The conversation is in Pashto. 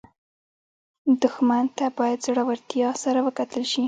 دښمن ته باید زړورتیا سره وکتل شي